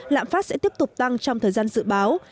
lạm phát sẽ tiếp tục tăng trong thời gian dự báo